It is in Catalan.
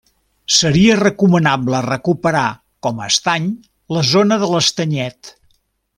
Seria recomanable recuperar com a estany la zona de l'Estanyet.